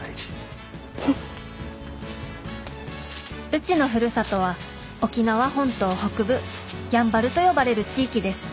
うちのふるさとは沖縄本島北部やんばると呼ばれる地域です。